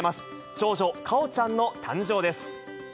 長女、果緒ちゃんの誕生です。